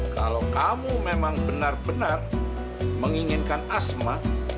kalau kamu memang benar benar menginginkan asma